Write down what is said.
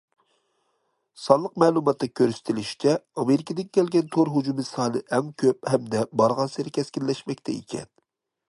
سانلىق مەلۇماتتا كۆرسىتىلىشىچە، ئامېرىكىدىن كەلگەن تور ھۇجۇمى سانى ئەڭ كۆپ ھەمدە بارغانسېرى كەسكىنلەشمەكتە ئىكەن.